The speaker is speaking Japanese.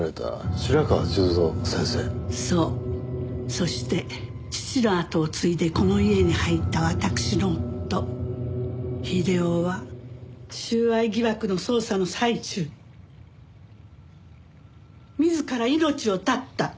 そして父の跡を継いでこの家に入った私の夫秀雄は収賄疑惑の捜査の最中に自ら命を絶った。